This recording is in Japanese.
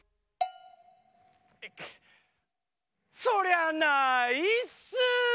そりゃないっすー！